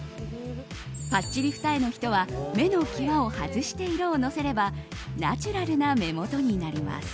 パッチリ二重の人は目の際を外して色をのせればナチュラルな目元になります。